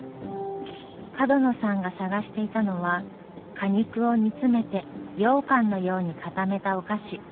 角野さんが探していたのは果肉を煮詰めてようかんのように固めたお菓子。